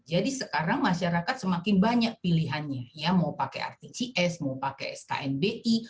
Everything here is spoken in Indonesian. jadi sekarang masyarakat semakin banyak pilihannya ya mau pakai rtcs mau pakai sknbi